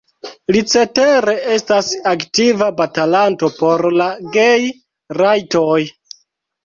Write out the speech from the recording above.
Li cetere estas aktiva batalanto por la gej-rajtoj.